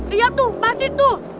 iya tuh pasti tuh